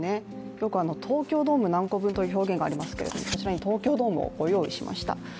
よく東京ドーム何個分という表現がありますけどこちらに東京ドームをご用意しました。